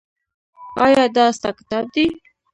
ایا دا ستا کتاب دی؟